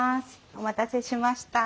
お待たせしました。